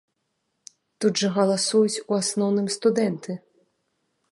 Тут жа галасуюць у асноўным студэнты.